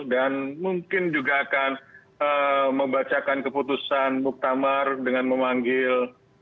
dan mungkin juga akan membacakan keputusan muktamar dengan memanggil